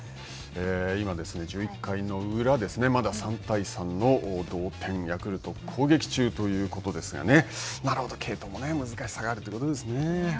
今、１１回の裏ですね、まだ３対３の同点、ヤクルトが攻撃中ということですが、なるほど継投も難しさがあるということですね。